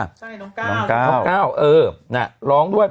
น้องก้าวน้องก้าวเออน่ะร้องด้วย